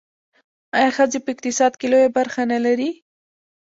آیا ښځې په اقتصاد کې لویه برخه نلري؟